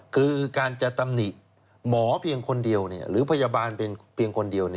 คือการจะตำหนิหมอเพียงคนเดียวหรือพยาบาลเป็นเพียงคนเดียว